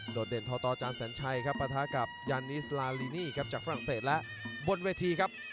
เด่นทอตอจานสัญชัยครับประทะกับยานิสลาลีนี่ครับจากฝรั่งเศสและบนเวทีครับ